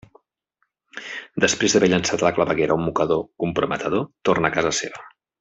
Després d'haver llançat a la claveguera un mocador comprometedor, torna a casa seva.